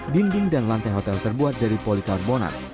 dinding dan lantai hotel terbuat dari polikarbonat